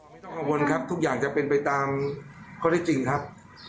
ไม่ต้องกังวลครับทุกอย่างจะเป็นไปตามข้อได้จริงครับ